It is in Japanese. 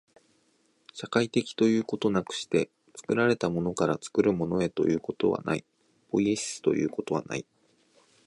社会的ということなくして、作られたものから作るものへということはない、ポイエシスということはない。